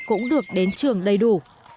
cũng được đến trường đầy đủ